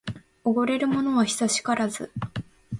おごれるものは久しからず